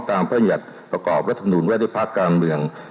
ตามประหยัดประกอบรัฐมนุนวัดิภักดิ์การเมือง